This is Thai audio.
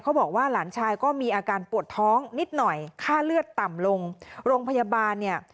บอกว่าหลานชายก็มีอาการปวดท้องนิดหน่อยค่าเลือดต่ำลงโรงพยาบาลเนี่ย